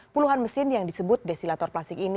puluhan mesin yang disebut desilator plastik ini